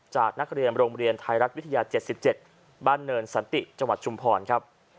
จากนักเรียนโรงเรียนไทยรัฐวิทยา๗๗บ้านเนินสันติจังหวัดชุมพรครับ